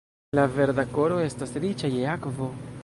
La Verda Koro estas riĉa je akvo.